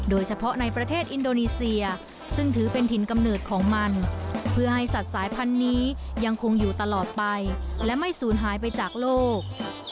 โดยเฉพาะในประเทศอินโดนีเซียซึ่งถือเป็นถิ่นกำเนิดของมันเพื่อให้สัตว์สายพันธุ์นี้ยังคงอยู่ตลอดไปและไม่สูญหายไปจากโลก